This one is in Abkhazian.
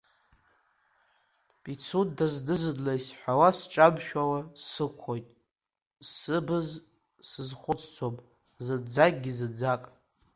Пицунда зны-зынла исҳәауа сҿамшәауа сықәхоит, сыбыз сызхәыцӡом, зынӡакгьы, зынӡак!